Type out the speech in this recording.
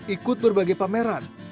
ikut berbagai pameran